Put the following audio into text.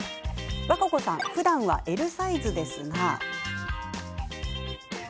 和歌子さんふだんはＬサイズですが。